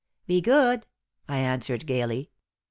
"Be good!" I answered, gaily.